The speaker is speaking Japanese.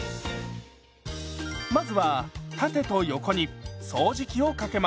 まずは縦と横に掃除機をかけます。